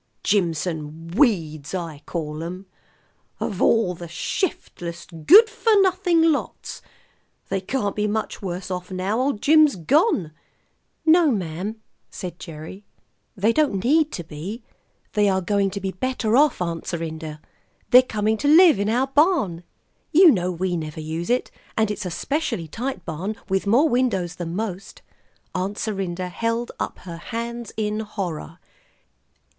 "Jimson weeds I call 'em. Of all the shiftless, good for nothing lots! They can't be much worse off now old Jim's gone." "No, ma'am," said Gerry; "they don't need to be. They are going to be better off, Aunt Serinda. They're coming to live in our barn. You know we never use it, and it's a specially tight barn, with more windows than most." Aunt Serinda held up her hands in horror.